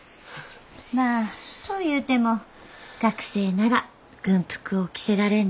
まあ遠ゆうても学生なら軍服を着せられんで済むもんね。